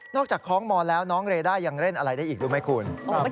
จากคล้องมอนแล้วน้องเรด้ายังเล่นอะไรได้อีกรู้ไหมคุณ